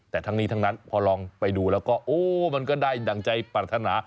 แต่ทั้งนี้ทั้งนั้นพอลองไปดูแล้วก็โอ้มันก็ได้ดั่งใจปรารถนา